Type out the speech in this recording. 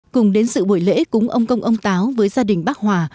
cô nguyễn thị lý rất là tốt